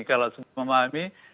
kalau sudah memahami